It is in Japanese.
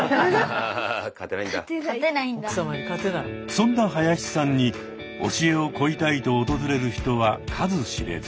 そんな林さんに教えを請いたいと訪れる人は数知れず。